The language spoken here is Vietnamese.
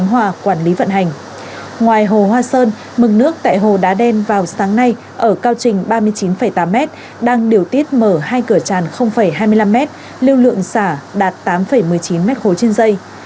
ngoài hoa sơn mừng nước tại hồ đá đen vào sáng nay ở cao trình ba mươi chín tám m đang điều tiết mở hai cửa tràn hai mươi năm m lưu lượng xả đạt tám một mươi chín m ba trên dây